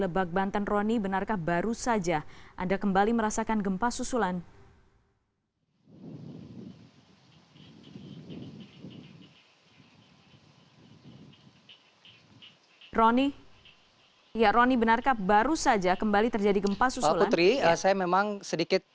pak putri saya memang sedikit